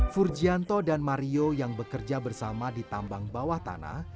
furgianto dan mario yang bekerja bersama di tambang bawah tanah